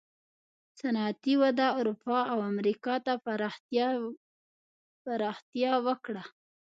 صنعتي وده اروپا او امریکا ته پراختیا وکړه.